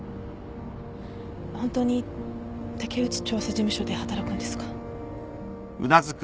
ホントに竹内調査事務所で働くんですか？